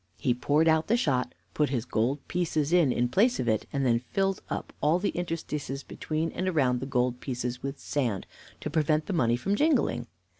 He poured out the shot, put his gold pieces in in place of it, and then filled up all the interstices between and around the gold pieces with sand, to prevent the money from jingling.